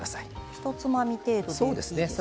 ひとつまみ程度でいいですかね？